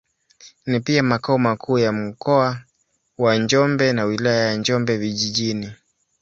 Ni pia makao makuu ya Mkoa wa Njombe na Wilaya ya Njombe Vijijini.